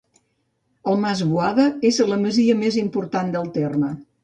El Mas Boada és la Masia més important del terme.